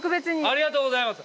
ありがとうございます。